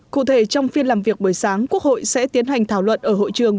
cụ thể trong phiên làm việc buổi sáng quốc hội sẽ tiến hành thảo luận ở hội trường